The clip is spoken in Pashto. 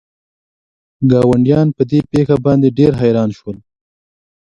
ګاونډیان په دې پېښه باندې ډېر حیران شول.